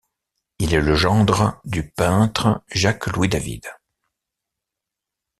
Il est le gendre du peintre Jacques-Louis David.